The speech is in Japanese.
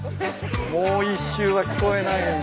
「もう一周」は聞こえないのよ。